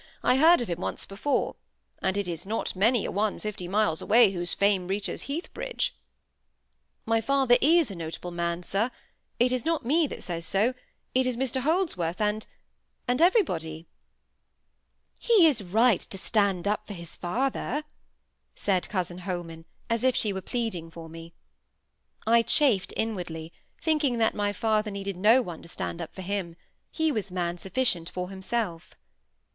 I heard of him once before; and it is not many a one fifty miles away whose fame reaches Heathbridge." "My father is a notable man, sir. It is not me that says so; it is Mr Holdsworth, and—and everybody." "He is right to stand up for his father," said cousin Holman, as if she were pleading for me. I chafed inwardly, thinking that my father needed no one to stand up for him. He was man sufficient for himself.